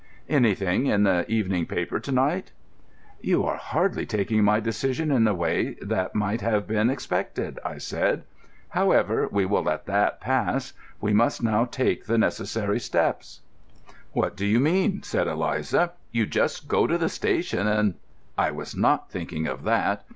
Anything in the evening paper to night?" "You are hardly taking my decision in the way that might have been expected," I said. "However, we will let that pass. We must now take the necessary steps." "What do you mean?" said Eliza. "You just go to the station and——" "I was not thinking of that.